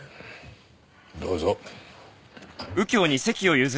どうぞ。